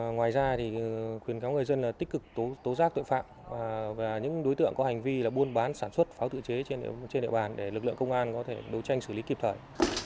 ngoài ra thì khuyến cáo người dân là tích cực tố giác tội phạm và những đối tượng có hành vi là buôn bán sản xuất pháo tự chế trên địa bàn để lực lượng công an có thể đấu tranh xử lý kịp thời